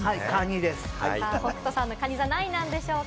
北斗さんのかに座、何位なんでしょうか？